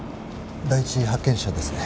第一発見者ですね。